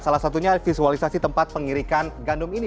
salah satunya visualisasi tempat pengirikan gandum ini